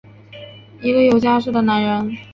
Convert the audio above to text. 一个有家室的男人！